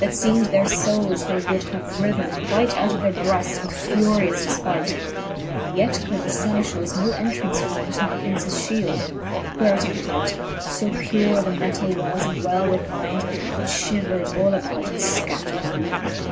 That ieem'd their foules they wold have ryven quight Out of their breafts with furious defpight. Yet could the Senefchals no entrance find Into the Princes fliield, where it empight \ So pure the metall was, and well refynd, But lliiver'd all about, and fcattered in the wynd.